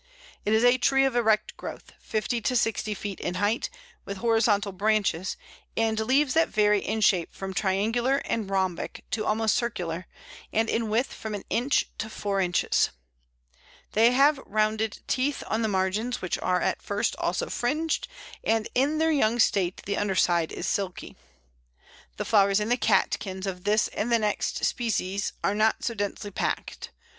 It is a tree of erect growth, fifty to sixty feet in height, with horizontal branches, and leaves that vary in shape from triangular and rhombic to almost circular, and in width from an inch to four inches. They have rounded teeth on the margins, which are at first also fringed, and in their young state the underside is silky. The flowers in the catkins of this and the next species are not so densely packed.